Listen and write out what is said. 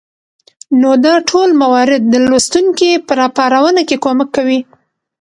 نو دا ټول موارد د لوستونکى په راپارونه کې کمک کوي